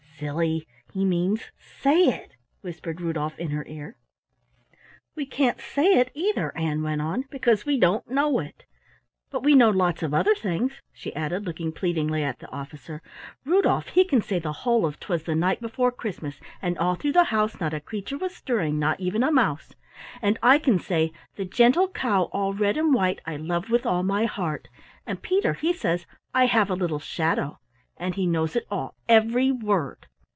"Silly! He means say it," whispered Rudolf in her ear. "We can't say it either," Ann went on, "because we don't know it. But we know lots of other things," she added, looking pleadingly at the officer. "Rudolf, he can say the whole of ''Twas the night before Christmas, and all through the house not a creature was stirring, not even a mouse' and I can say 'The Gentle Cow all Red and White I Love with all my Heart', and Peter he says 'I have a Little Shadow', he knows it all, every word!"